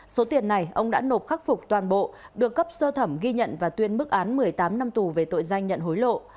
số tiền này ông đã nộp khắc phục toàn bộ được cấp sơ thẩm ghi nhận và tuyên bức án một mươi tám năm tù về tội danh nhận hối lộ